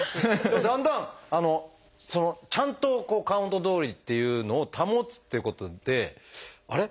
だんだんあのちゃんとカウントどおりっていうのを保つっていうことであれ？